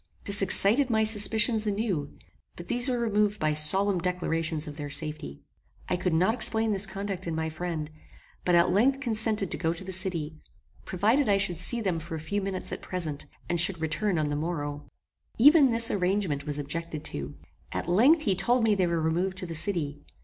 This excited my suspicions anew; but these were removed by solemn declarations of their safety. I could not explain this conduct in my friend; but at length consented to go to the city, provided I should see them for a few minutes at present, and should return on the morrow. Even this arrangement was objected to. At length he told me they were removed to the city.